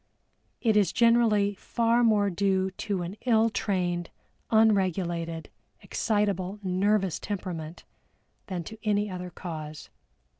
It is generally far more due to an ill trained, unregulated, excitable, nervous temperament than to any other cause.